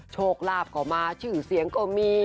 โชคลาภก็มาชื่อเสียงก็มี